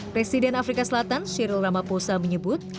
presiden afrika selatan cyril ramaphosa menyebut